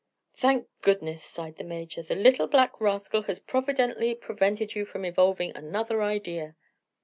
"Thank goodness," sighed the Major. "The little black rascal has providently prevented you from evolving another idea."